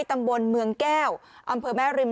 ตำบลเมืองแก้วอแม่ริม